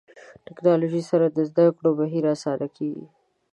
ټکنالوژي سره د زده کړو بهیر اسانه کېږي.